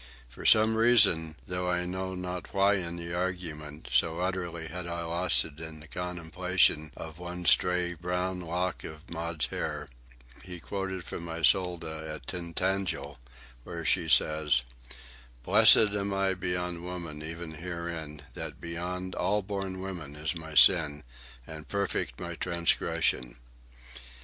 For some reason, though I know not why in the argument, so utterly had I lost it in the contemplation of one stray brown lock of Maud's hair, he quoted from Iseult at Tintagel, where she says: "Blessed am I beyond women even herein, That beyond all born women is my sin, And perfect my transgression."